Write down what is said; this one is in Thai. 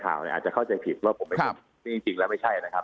อาจจะเข้าใจผิดว่าผมเป็นคนซึ่งจริงแล้วไม่ใช่นะครับ